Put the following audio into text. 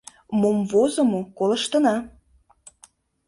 Мом возымо, колыштына!